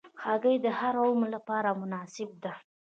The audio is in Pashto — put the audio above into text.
هګۍ د هر عمر لپاره مناسبه ده.